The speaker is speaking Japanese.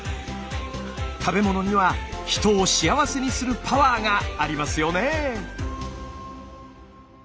食べ物には人を幸せにするパワーがありますよねぇ。